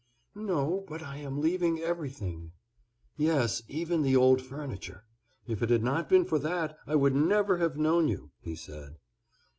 "No, but I am leaving everything." "Yes, even the old furniture; if it had not been for that I would never have known you," he said.